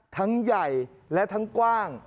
ทั้งใหญ่และทั้งกว้าง